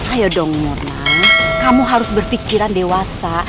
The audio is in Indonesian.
ayo dong morna kamu harus berpikiran dewasa